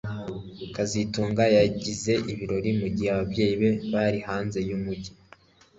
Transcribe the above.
kazitunga yagize ibirori mugihe ababyeyi be bari hanze yumujyi